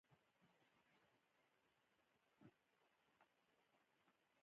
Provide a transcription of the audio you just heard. افغانستان په نړۍ کې د خپلې خاورې له امله شهرت لري.